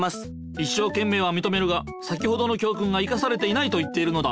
いっしょうけんめいはみとめるが先ほどの教訓が生かされていないと言っているのだ。